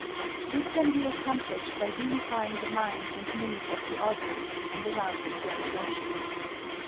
This can be accomplished by unifying the minds and needs of the audience and arousing their emotions.